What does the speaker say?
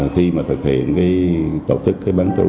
khi mà thực hiện tổ chức bán trú